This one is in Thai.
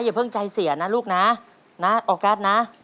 อย่าเพิ่งใจเสียนะลูกนะนะออกัสนะ